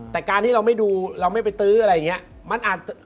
แต่การที่เราไม่ดูเราไม่ไปตื้ออะไรอย่างนี้